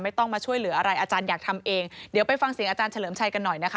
ต้องมาช่วยเหลืออะไรอาจารย์อยากทำเองเดี๋ยวไปฟังเสียงอาจารย์เฉลิมชัยกันหน่อยนะคะ